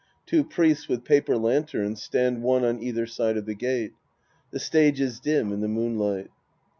Two Priests with paper lanterns stand one on either side of the gate. The stage is dim in the moonlight!)